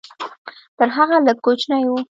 تر هغه لږ کوچنی و.